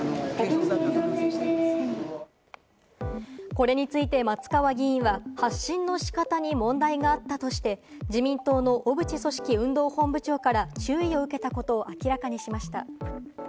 これについて松川議員は発信の仕方に問題があったとして、自民党の小渕組織運動本部長から注意を受けたことを明らかにしました。